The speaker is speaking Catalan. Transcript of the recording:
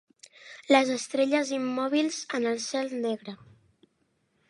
Les estrelles immòbils en el cel negre